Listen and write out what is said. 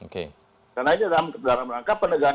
karena itu dalam rangka penegahan